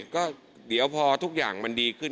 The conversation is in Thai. ก็เดี๋ยวพอทุกอย่างมันดีขึ้น